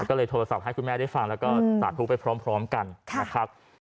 ก็เลยโทรศัพท์ให้คุณแม่ได้ฟังแล้วก็สาธุไปพร้อมกันนะครับ